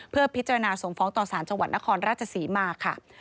เพื่อพิจารณาส่งฟ้องต่อสารจังหวัดนครราชศรีมาค่ะ